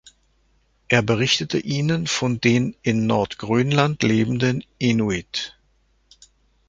Er berichtete ihnen von den in Nordgrönland lebenden Inughuit.